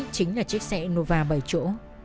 chính là chiếc xe innova bảy chỗ